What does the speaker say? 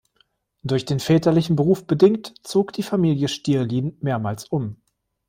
Durch den väterlichen Beruf bedingt, zog die Familie Stierlin mehrmals um.